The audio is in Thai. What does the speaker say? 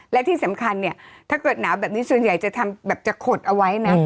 และที่สำคัญเนี่ยถ้าเกิดหนาวแบบนี้ส่วนใหญ่จะทำแบบจะขดเอาไว้นะ